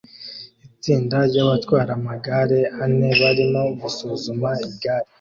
Itsinda ryabatwara amagare ane barimo gusuzuma igare